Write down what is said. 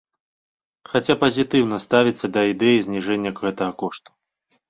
Хаця пазітыўна ставіцца да ідэі зніжэння гэтага кошту.